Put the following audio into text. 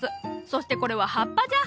そしてこれは葉っぱじゃ。